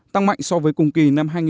tăng mạnh so với cùng kỳ